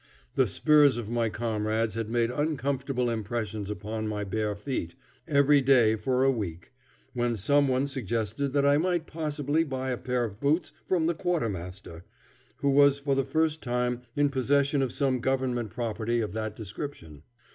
The spurs of my comrades had made uncomfortable impressions upon my bare feet every day for a week, when some one suggested that I might possibly buy a pair of boots from the quartermaster, who was for the first time in possession of some government property of that description.